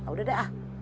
udah deh ah